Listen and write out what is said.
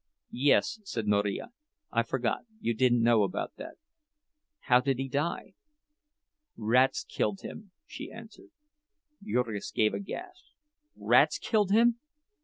"Yes," said Marija, "I forgot. You didn't know about it." "How did he die?" "Rats killed him," she answered. Jurgis gave a gasp. "Rats killed him!"